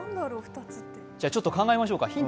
ちょっと考えましょうか。